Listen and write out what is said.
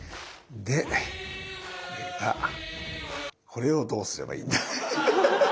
これをどうすればいいんだ？